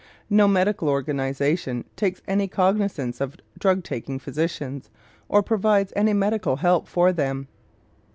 No medical organization takes any cognizance of drug taking physicians or provides any medical help for them.